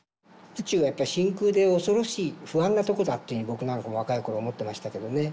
宇宙はやっぱ真空で恐ろしい不安なとこだっていう僕なんか若い頃思ってましたけどね。